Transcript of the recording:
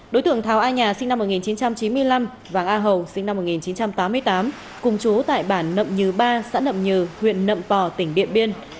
đối tượng thảo a nhà sinh năm một nghìn chín trăm chín mươi năm vàng a hầu sinh năm một nghìn chín trăm tám mươi tám cùng chú tại bản nậm như ba xã nậm như huyện nậm tò tỉnh điện biên